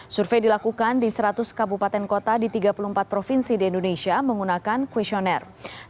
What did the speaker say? survei dilakukan di seratus kabupaten kota di tiga puluh empat provinsi di indonesia menggunakan questionnaire